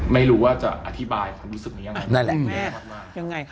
ไม่รู้ว่าจะอธิบายคำรู้สึกมันอย่างไร